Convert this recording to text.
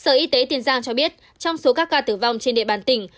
sở y tế tiền giang cho biết trong số các ca tử vong trên địa bàn tỉnh